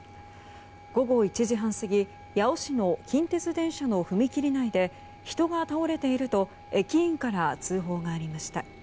午後１時半過ぎ八尾市の近鉄電車の踏切内で人が倒れていると駅員から通報がありました。